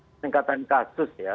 peningkatan kasus ya